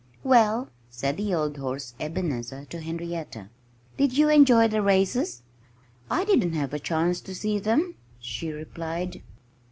"Well," said the old horse Ebenezer to Henrietta. "Did you enjoy the races?" "I didn't have a chance to see them," she replied.